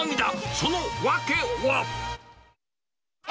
その訳は。